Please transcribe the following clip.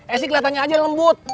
esy kelihatannya aja lembut